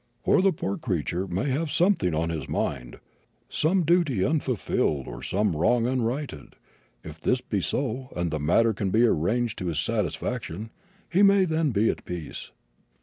Or the poor creature may have something on his mind some duty unfulfilled or some wrong unrighted; if this be so, and the matter can be arranged to his satisfaction, he may then be at peace.